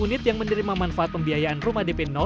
sepuluh unit yang menerima manfaat pembiayaan rumah dp